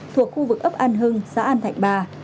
thuộc khu vực ấp an hưng xã an thạnh ba